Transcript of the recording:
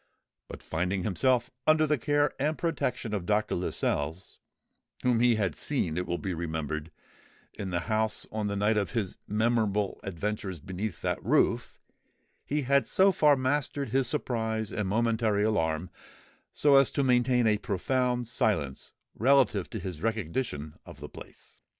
But finding himself under the care and protection of Dr. Lascelles, whom he had seen, it will be remembered, in the house on the night of his memorable adventures beneath that roof, he had so far mastered his surprise and momentary alarm, as to maintain a profound silence relative to his recognition of the place.